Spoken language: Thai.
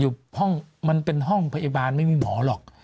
ห้องมันเป็นห้องพยาบาลไม่มีหมอหรอก